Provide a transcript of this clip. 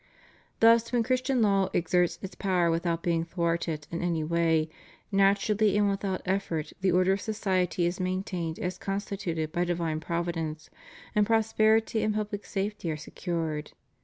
Thus when Christian law exerts its power without being thwarted in any way, naturally and without effort the order of society is maintained as constituted by divine Providence, and prosperity and public safety are secured.